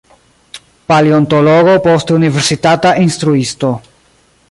Paleontologo, poste universitata instruisto.